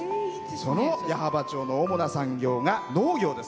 その矢巾町の主な産業が農業です。